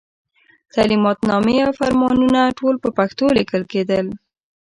تعلماتنامې او فرمانونه ټول په پښتو لیکل کېدل.